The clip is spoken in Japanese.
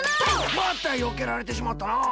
またよけられてしまったな！